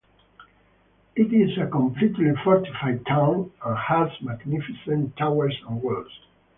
It is a completely fortified town and has magnificent towers and walls.